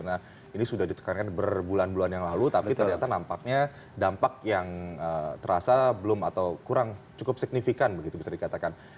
nah ini sudah ditekankan berbulan bulan yang lalu tapi ternyata nampaknya dampak yang terasa belum atau kurang cukup signifikan begitu bisa dikatakan